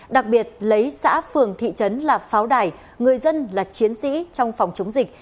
đặc biệt lấy xã phường thị trấn là pháo đài người dân là chiến sĩ trong phòng chống dịch